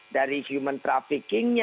dari human trafficking nya